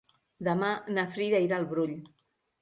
Demà na Frida irà al Brull.